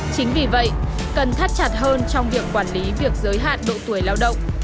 chính vì vậy cần thắt chặt hơn trong việc quản lý việc giới hạn độ tuổi lao động